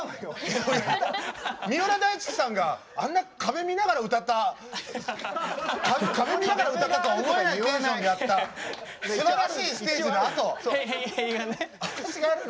三浦大知さんがあんな壁見ながら歌った壁見ながら歌ったとは思えないテンションでやったすばらしいステージのあと私がやるの？